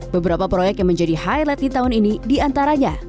beberapa proyek yang menjadi highlight di tahun ini diantaranya